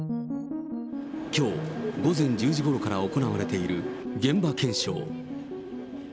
きょう午前１０時ごろから行われている現場検証。